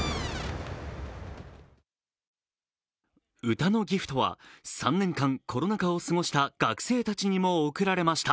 歌のギフトは３年間、コロナ禍を過ごした学生たちにも贈られました。